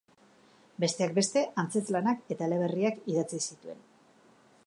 Besteak beste, antzezlanak eta eleberriak idatzi zituen.